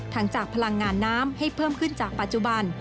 จากพลังงานน้ำให้เพิ่มขึ้นจากปัจจุบัน